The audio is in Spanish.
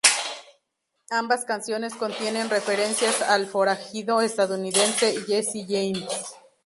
Ambas canciones contienen referencias al forajido estadounidense Jesse James.